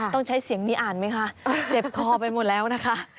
ต้องใช้เสียงนี้อ่านไหมคะเจ็บคอไปหมดแล้วนะคะ